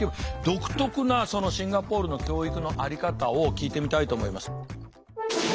独特なそのシンガポールの教育の在り方を聞いてみたいと思います。